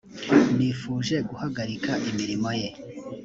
nifuje guhagarika imirimo ye .